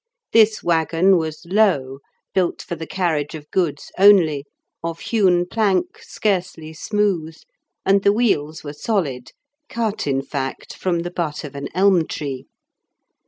This waggon was low, built for the carriage of goods only, of hewn plank scarcely smooth, and the wheels were solid; cut, in fact, from the butt of an elm tree.